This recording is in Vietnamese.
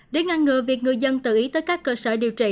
để ngăn ngừa việc người dân tự ý tới các cơ sở điều trị